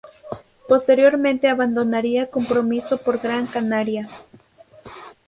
Posteriormente abandonaría Compromiso por Gran Canaria.